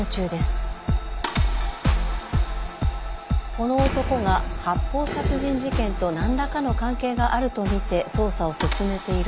この男が発砲殺人事件と何らかの関係があるとみて捜査を進めているということです。